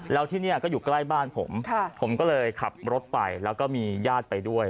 แล้วที่นี่ก็อยู่ใกล้บ้านผมผมก็เลยขับรถไปแล้วก็มีญาติไปด้วย